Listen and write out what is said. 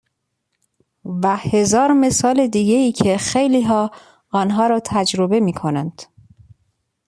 و هزار مثال دیگه ای که خیلی ها آن ها را تجربه می کنند.